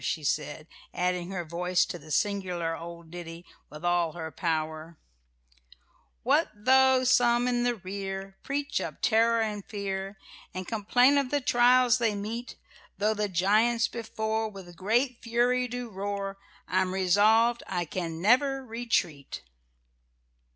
she said, adding her voice to the singular old ditty with all her power: "What though some in the rear Preach up terror and fear, And complain of the trials they meet, Tho' the giants before With great fury do roar, I'm resolved I can never retreat."